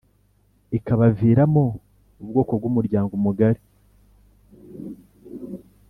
ikabaviramo ubwoko bw’umuryango mugari